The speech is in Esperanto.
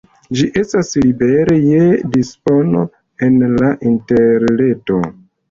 Ĝi estas libere je dispono en la interreto.